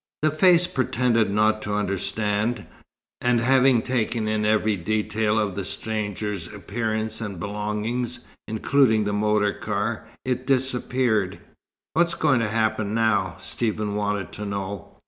The face pretended not to understand; and having taken in every detail of the strangers' appearance and belongings, including the motor car, it disappeared. "What's going to happen now?" Stephen wanted to know.